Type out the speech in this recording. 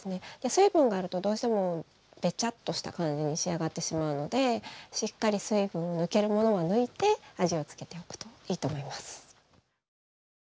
水分があるとどうしてもベチャッとした感じに仕上がってしまうのでしっかり水分抜けるものは抜いて味を付けておくといいと思います。